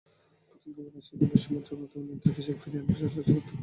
Putin ক্রমেই রাশিয়াকে বিশ্বমঞ্চের অন্যতম নিয়ন্ত্রক হিসেবে ফিরিয়ে আনার প্রচেষ্টায় রত।